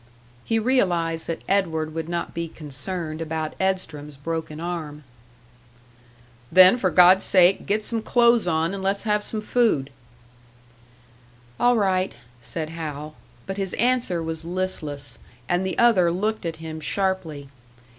He realised that Edward would not be concerned about Edstrom's broken arm. "Then, for God's sake, get some clothes on and let's have some food." "All right," said Hal. But his answer was listless, and the other looked at him sharply.